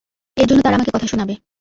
এর জন্য তারা আমাকে কথা শোনাবে।